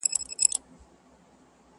څوك به راسي د ايوب سره ملګري.!